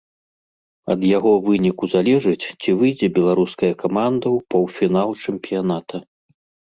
Ад яго выніку залежыць, ці выйдзе беларуская каманда ў паўфінал чэмпіяната.